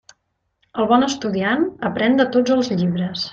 El bon estudiant aprén de tots els llibres.